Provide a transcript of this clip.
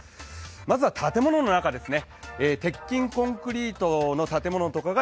まずは建物の中ですね。